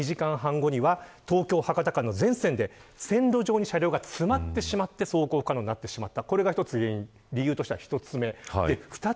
２時間半後には東京、博多間の全線で線路上に車両が詰まってしまって走行可能になってしまった。